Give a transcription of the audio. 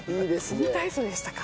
新体操でしたか。